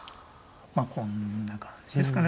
まあこんな感じですかね